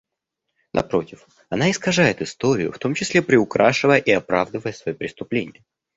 Напротив, она искажает историю, в том числе приукрашивая и оправдывая свои преступления.